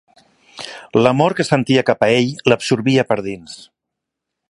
L'amor que sentia cap a ell l'absorbia per dins.